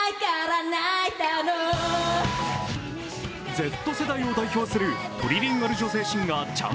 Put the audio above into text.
Ｚ世代を代表するトリリンガル女性シンガー・ちゃん